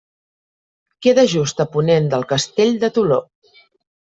Queda just a ponent del Castell de Toló.